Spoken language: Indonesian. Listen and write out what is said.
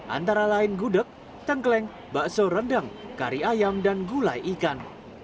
antara lain gudeg tengkleng bakso rendang kari ayam dan gulai ikan